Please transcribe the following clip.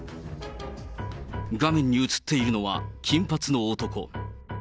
画面に写っているのは、金髪の男。